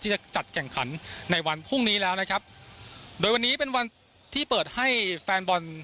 จะจัดแข่งขันในวันพรุ่งนี้แล้วนะครับโดยวันนี้เป็นวันที่เปิดให้แฟนบอล